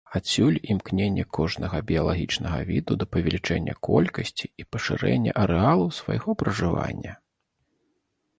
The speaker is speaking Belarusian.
Адсюль імкненне кожнага біялагічнага віду да павелічэння колькасці і пашырэння арэалу свайго пражывання.